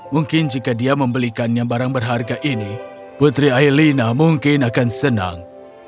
mungkin jika dia membelikannya barang berharga ini putri ailina mungkin akan senang